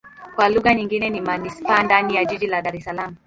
Kwa lugha nyingine ni manisipaa ndani ya jiji la Dar Es Salaam.